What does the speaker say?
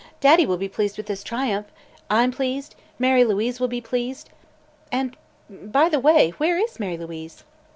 Daddy will be pleased with this triumph; I'm pleased; Mary Louise will be pleased, and By the way, where is Mary Louise?"